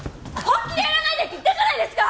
本気でやらないでって言ったじゃないですか！